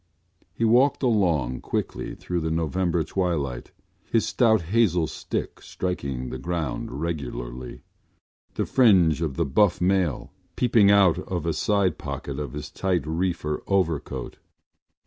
He walked along quickly through the November twilight, his stout hazel stick striking the ground regularly, the fringe of the buff Mail peeping out of a side pocket of his tight reefer overcoat.